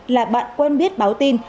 là bạn quen biết báo tin